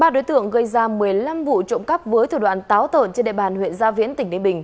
ba đối tượng gây ra một mươi năm vụ trộm cắp với thủ đoạn táo tợn trên đề bàn huyện gia viễn tỉnh đề bình